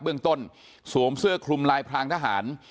เบื้องต้นสวมเสื้อคลุมลายพรางทหาร